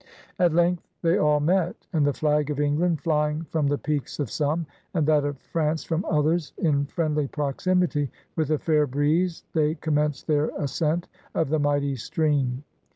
At length they all met, and the flag of England flying from the peaks of some, and that of France from others, in friendly proximity, with a fair breeze they commenced their ascent of the mighty stream.